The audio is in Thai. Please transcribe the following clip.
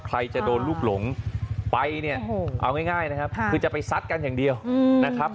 ใครจะโดนลูกหลงไปเนี่ยเอาง่ายนะครับคือจะไปซัดกันอย่างเดียวนะครับ